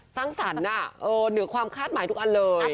สังสรรค์น่ะเนื้อความคาดหมายทุกอันเลย